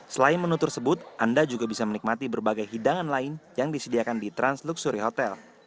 selain menu tersebut anda juga bisa menikmati berbagai hidangan lain yang disediakan di trans luxury hotel